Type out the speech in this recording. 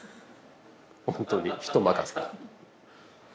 本当に人任せ。